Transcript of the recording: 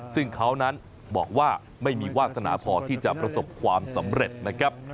ซึ่งเขานั้นบอกว่าไม่มีวาสนาพอที่จะประสบความสำเร็จนะครับ